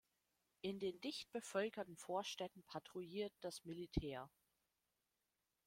In den dicht bevölkerten Vorstädten patrouilliert das Militär.